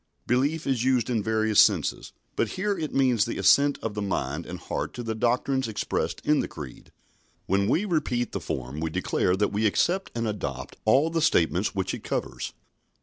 "Belief" is used in various senses, but here it means the assent of the mind and heart to the doctrines expressed in the Creed. When we repeat the form we declare that we accept and adopt all the statements which it covers.